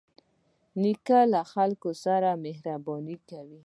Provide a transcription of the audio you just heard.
نیکه له خلکو سره مهرباني کوي.